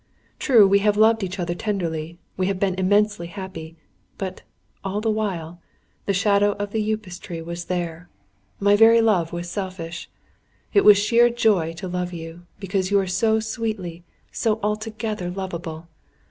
True, we have loved each other tenderly; we have been immensely happy. But, all the while, the shadow of the Upas tree was there. My very love was selfish! It was sheer joy to love you, because you are so sweetly, so altogether, lovable.